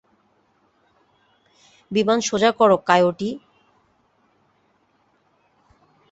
বিমান সোজা করো, কায়োটি।